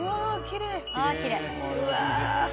きれい。